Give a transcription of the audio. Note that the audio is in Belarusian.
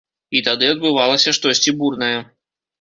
І тады адбывалася штосьці бурнае.